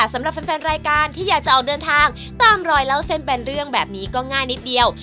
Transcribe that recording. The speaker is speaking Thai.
สำหรับแฟนรายการที่อยากจะออกเดินทางตามรอยเล่าเส้นเป็นเรื่องแบบนี้ก็ง่ายนิดเดียว